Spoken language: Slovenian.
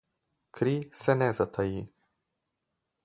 Kri se ne zataji.